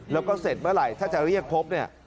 แล้วก็เจอเมื่อไหร่ถ้าจะเรียกพบ